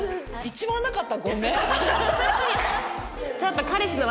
一番なかったごめん。